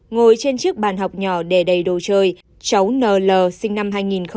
ngồi trên chiếc bàn học nhỏ để đầy đồ chơi cháu n l sinh năm hai nghìn một mươi hai